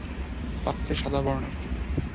পাপড়ি সাদা বর্ণের।